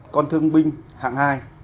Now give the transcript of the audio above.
một con thương binh hạng hai